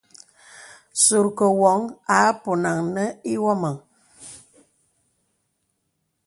Sùrkə̀ woŋ à ponàn nə iwɔmaŋ.